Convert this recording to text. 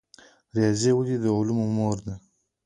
ریاضي ولې د علومو مور ده؟